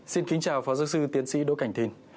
xin kính chào phó giáo sư tiến sĩ đỗ cảnh thìn